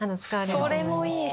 それもいいし！